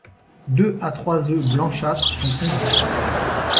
Deux à trois œufs blanchâtres sont pondus.